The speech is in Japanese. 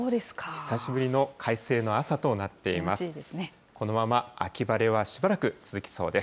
久しぶりの快晴の朝となっています。